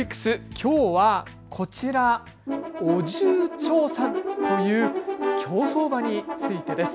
きょうはこちら、オジュウチョウサンという競走馬についてです。